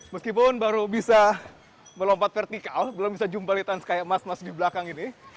meskipun baru bisa melompat vertikal belum bisa jumpai tans kayak emas emas di belakang ini